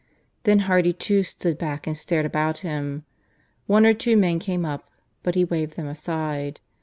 Then Hardy too stood back and stared about him. One or two men came up, but he waved them aside.